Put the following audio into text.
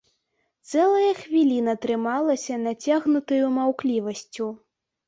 Цэлая хвіліна трымалася нацягнутаю маўклівасцю.